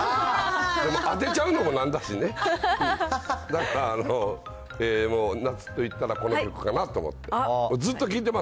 でも当てちゃうのもなんだしね、だから、もう、夏といったらこの曲かなと思って。